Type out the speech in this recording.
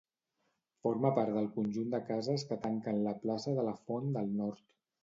Forma part del conjunt de cases que tanquen la plaça de la Font pel nord.